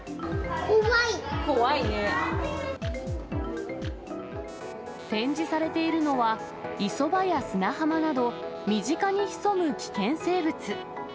怖い！展示されているのは、磯場や砂浜など身近に潜む危険生物。